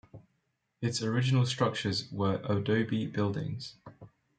Its original structures were adobe buildings.